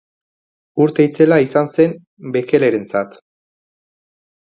Urte itzela izan zen Bekelerentzat.